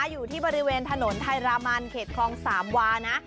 อยู่ที่บริเวณถนนไทยรามันเขตคลองสามวานะ